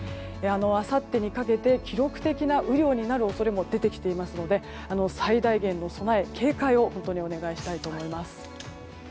あさってにかけて記録的な雨量になる恐れも出てきていますので最大限に備えて警戒をお願いしたいと思います。